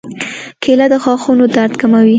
کېله د غاښونو درد کموي.